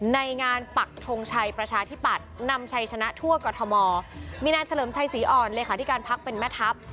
ในงานปักทงชัยประชาธิปัตย์นำชัยชนะทั่วกรทมมีนายเฉลิมชัยศรีอ่อนเลขาธิการพักเป็นแม่ทัพ